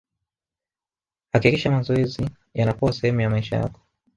hakikisha mazoezi yanakuwa sehemu ya maisha yako